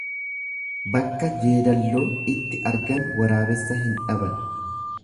Bakka jeedalloo itti argan waraabessa hin dhaban.